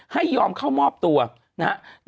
ให้ยอมเข้ามอบตัวนะครับ